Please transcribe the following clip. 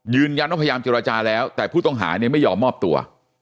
ยืนยันว่าพยายามเจรจาแล้วแต่ผู้ต้องหาเนี่ยไม่ยอมมอบตัว